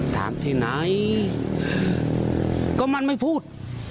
ที่ไหนก็มันไม่พูด